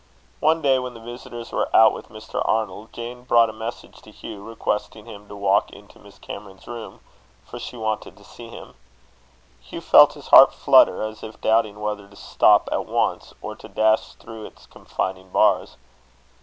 One day, when the visitors were out with Mr. Arnold, Jane brought a message to Hugh, requesting him to walk into Miss Cameron's room, for she wanted to see him. Hugh felt his heart flutter as if doubting whether to stop at once, or to dash through its confining bars.